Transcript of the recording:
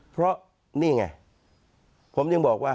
เพราะนี่ไงผมยังบอกว่า